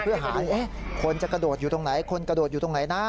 เพื่อหาคนจะกระโดดอยู่ตรงไหนคนกระโดดอยู่ตรงไหนนะ